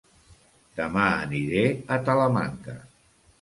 Dema aniré a Talamanca